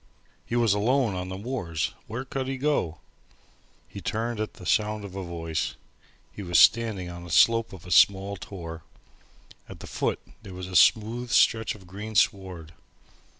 He was alone on the moors! Where could he go? He turned at the sound of a voice. He was standing on the slope of a small tor. At the foot there was a smooth stretch of green sward.